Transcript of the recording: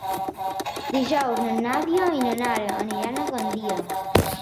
Dijous na Nàdia i na Nara aniran a Gandia.